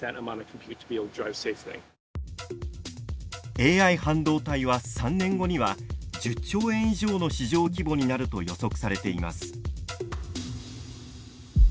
ＡＩ半導体は３年後には１０兆円以上の市場規模になると予測されています。